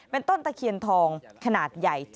เป็นต้นตะเคียนทองขนาดใหญ่